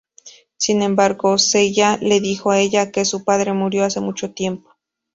Sin embargo, Seiya le dijo a ella que su padre murió hace mucho tiempo.